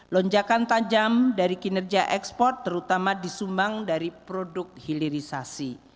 lonjakan tajam dari kinerja ekspor terutama disumbang dari produk hilirisasi